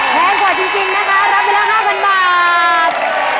แพงกว่าจริงนะคะรับไปแล้ว๕๐๐บาท